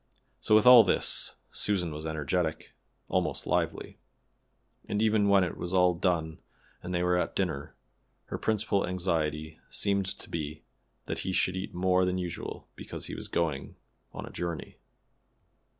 So with all this Susan was energetic, almost lively; and even when it was all done and they were at dinner, her principal anxiety seemed to be that he should eat more than usual because he was going a journey.